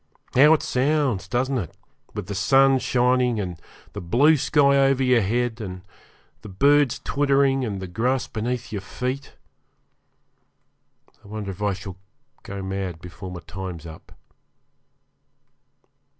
How it sounds, doesn't it? with the sun shining, and the blue sky over your head, and the birds twittering, and the grass beneath your feet! I wonder if I shall go mad before my time's up.